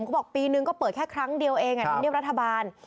เขาบอกปีนึงก็เปิดแค่ครั้งเดียวเองธรรมเนียบรัฐบาล